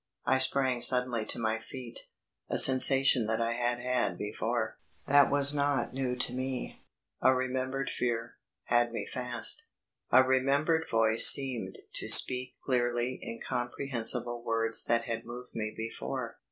I sprang suddenly to my feet a sensation that I had had before, that was not new to me, a remembered fear, had me fast; a remembered voice seemed to speak clearly incomprehensible words that had moved me before.